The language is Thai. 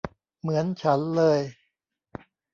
เหมือนฉันเลย !